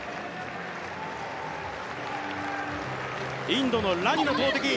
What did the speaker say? インドのラニの投てき。